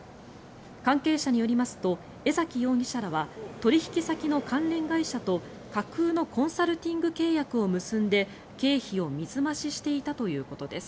関係者によりますと江崎容疑者らは取引先の関連会社と架空のコンサルティング契約を結んで経費を水増ししていたということです。